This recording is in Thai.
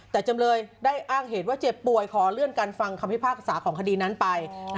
แต่จำเลยได้อ้างเหตุว่าเจ็บป่วยขอเลื่อนการฟังคำพิพากษาของคดีนั้นไป